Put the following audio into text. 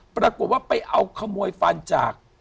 ปรากฏว่าไปเอาขโมยฟันจาก